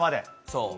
そう。